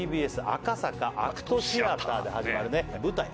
ＴＢＳ赤坂ＡＣＴシアターで始まるね舞台